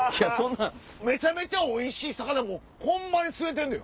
めちゃめちゃおいしい魚ホンマに釣れてるのよ。